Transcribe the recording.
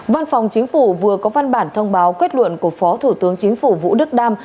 văn phòng chính phủ vừa có văn bản thông báo kết luận của phó thủ tướng chính phủ vũ đức đam